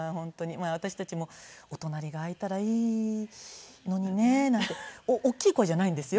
まあ私たちもお隣が空いたらいいのにねなんて大きい声じゃないんですよ。